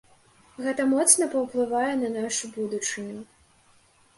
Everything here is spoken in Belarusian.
Гэта моцна паўплывае на нашу будучыню.